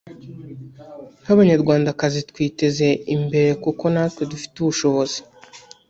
nk’abanyarwandakazi twiteze imbere kuko natwe dufite ubushobozi